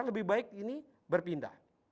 lebih baik ini berpindah